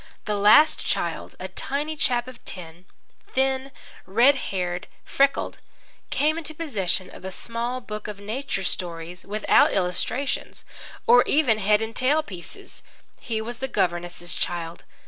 The last child, a tiny chap of ten, thin, red haired, freckled, came into possession of a small book of nature stories without illustrations or even head and tail pieces. He was the governess's child.